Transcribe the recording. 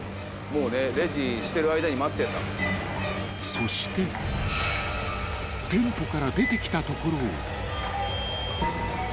［そして店舗から出てきたところを］